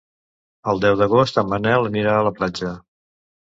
El deu d'agost en Manel anirà a la platja.